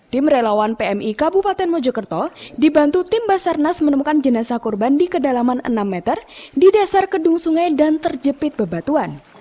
tim relawan pmi kabupaten mojokerto dibantu tim basarnas menemukan jenazah korban di kedalaman enam meter di dasar kedung sungai dan terjepit bebatuan